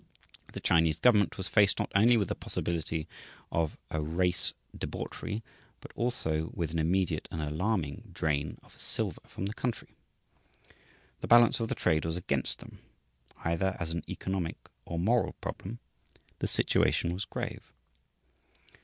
The Chinese government was faced not only with the possibility of a race debauchery but also with an immediate and alarming drain of silver from the country. The balance of the trade was against them. Either as an economic or moral problem, the situation was grave.